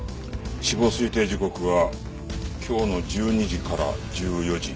死亡推定時刻は今日の１２時から１４時。